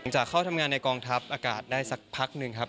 จะเข้าทำงานในกองทัพอากาศได้สักพักหนึ่งครับ